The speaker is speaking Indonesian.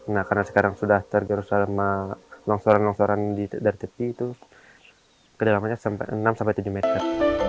nah karena sekarang sudah tergerus sama longsoran longsoran dari tepi itu kedalamannya sampai enam sampai tujuh meter